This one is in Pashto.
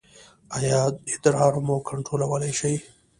ایا ادرار مو کنټرولولی شئ؟